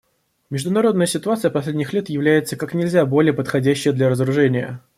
Международная ситуация последних лет является как нельзя более подходящей для разоружения.